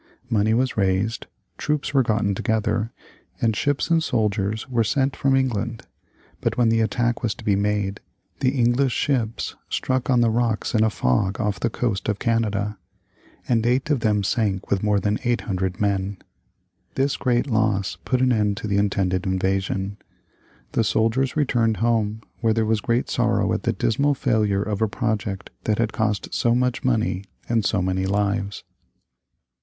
Money was raised, troops were gotten together, and ships and soldiers were sent from England. But when the attack was to be made, the English ships struck on the rocks in a fog off the coast of Canada, and eight of them sank with more than 800 men. This great loss put an end to the intended invasion. The soldiers returned home, where there was great sorrow at the dismal failure of a project that had cost so much money and so many lives.